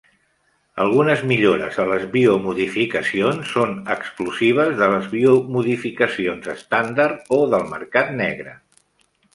Algunes millores a les biomodificacions són exclusives de les biomodificacions estàndard o del mercat negre.